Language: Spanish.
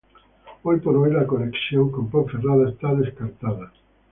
Hoy por hoy, la conexión con Ponferrada está descartada.